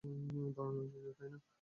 দারুণ ঐতিহ্য, তাই-না?